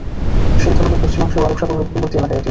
সিন্ধু নদের পশ্চিমাংশে ও আরব সাগরের উপকূলবর্তী এলাকা এটি।